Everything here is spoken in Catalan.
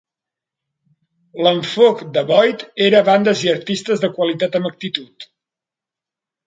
L'enfoc de Boyd era "bandes i artistes de qualitat amb actitud".